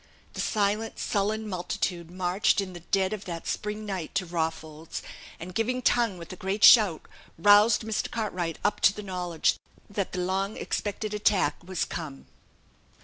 The silent sullen multitude marched in the dead of that spring night to Rawfolds, and giving tongue with a great shout, roused Mr. Cartwright up to the knowledge that the long expected attack was come.